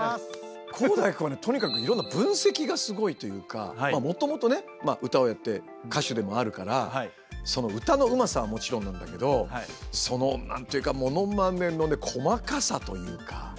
航大君はねとにかくいろんな分析がすごいというかもともとね歌をやって歌手でもあるから歌のうまさはもちろんなんだけどその何というかモノマネのね細かさというか。